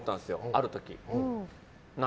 ある時。